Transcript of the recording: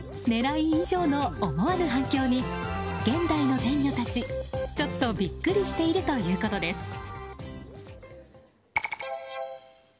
狙い以上の思わぬ反響に現代の天女たちちょっとビックリしているということです。